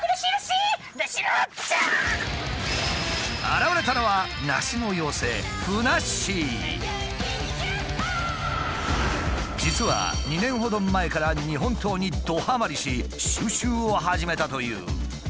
現れたのは実は２年ほど前から日本刀にどハマりし収集を始めたという。